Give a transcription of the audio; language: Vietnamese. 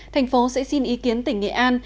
thành phố sẽ xin ý kiến tỉnh nghệ an